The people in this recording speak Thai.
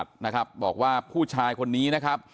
ทางรองศาสตร์อาจารย์ดรอคเตอร์อัตภสิตทานแก้วผู้ชายคนนี้นะครับ